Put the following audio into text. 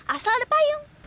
asal ada payung